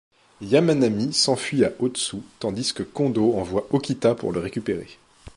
Yamanami s'enfuit à Ōtsu tandis que Kondō envoie Okita pour le récupérer.